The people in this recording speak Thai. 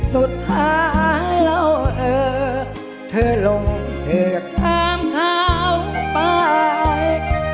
สุดท้ายแล้วเออเธอลงเหือกถามเขาไป